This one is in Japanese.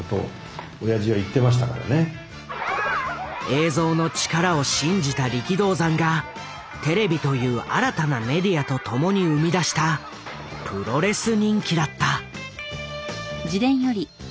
映像の力を信じた力道山がテレビという新たなメディアと共に生み出したプロレス人気だった。